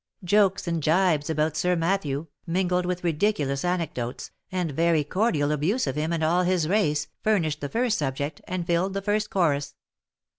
Jokes and gibes about Sir Matthew, mingled with ridiculous anecdotes, and very cordial abuse of him and all his race, furnished 30 THE LIFE AND ADVENTURES the first subject, and filled the first chorus.